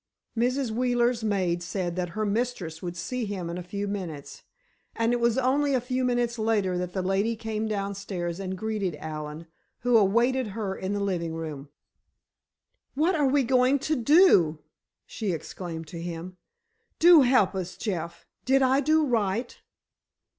Mrs. Wheeler's maid said that her mistress would see him in a few minutes. And it was only a few minutes later that the lady came downstairs and greeted Allen, who awaited her in the living room. "What are we going to do?" she exclaimed to him. "Do help us, Jeff. Did I do right?"